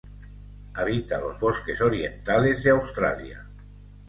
Habita los bosques orientales de Australia.